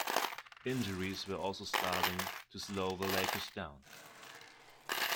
Injuries were also starting to slow the Lakers down.